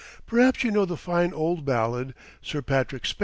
Perhaps you know the fine old ballad, 'Sir Patrick Spens.'